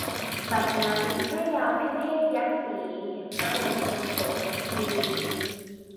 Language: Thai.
บัดนั้นพระยาภิเภกยักษี เห็นพระองค์ทรงโศกโศกี